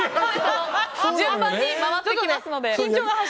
順番に回ってきますので。